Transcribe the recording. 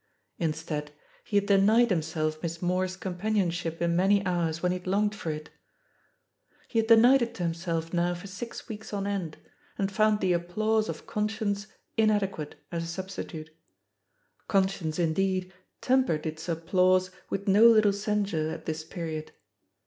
Insteadu he had denied himself Miss Moore's companion ship in many hours when he had longed for it< 217 218 THE POSITION OP PEGGY HARPER He had denied it to himself now for six weeks on end, and found the applause of conscience in adequate as a substitute. Conscience, indeed, tempered its applause with no little censure at this period.